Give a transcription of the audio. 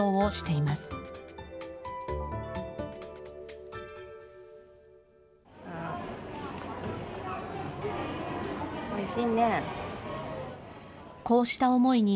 おいしいね。